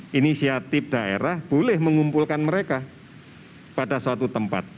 misalnya kreatif daerah boleh mengumpulkan mereka pada suatu tempat